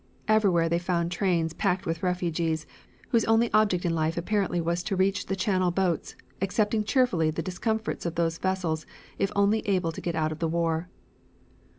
Everywhere they found trains packed with refugees whose only object in life apparently was to reach the channel boats, accepting cheerfully the discomforts of those vessels if only able to get out of the war.